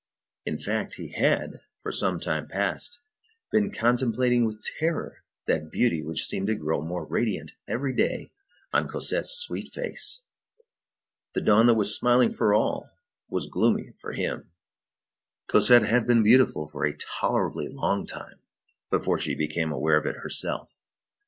In fact, he had, for some time past, been contemplating with terror that beauty which seemed to grow more radiant every day on Cosette's sweet face. The dawn that was smiling for all was gloomy for him. Cosette had been beautiful for a tolerably long time before she became aware of it herself.